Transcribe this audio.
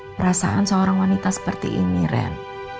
perasaan seorang wanita seperti ini ren